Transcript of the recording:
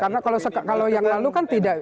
karena kalau yang lalu kan tidak